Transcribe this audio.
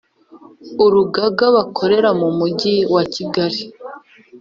Urugaga bakorera mu Mujyi wa Kigali